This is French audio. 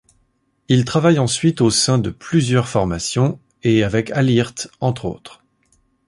Il travaille ensuite au sein de plusieurs formations, et avec Al Hirt entre autres.